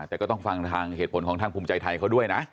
แต่ก็ต้องฟังทางเหตุผลของทางภูมิใจไทยเขาด้วยนะ